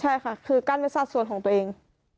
ใช่ค่ะคือกั้นเป็นสัดส่วนของตัวเอง